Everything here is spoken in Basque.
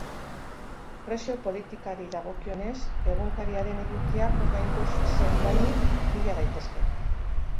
Prezio politikari dagokionez, egunkariaren edukiak ordainduz zein dohainik bila daitezke.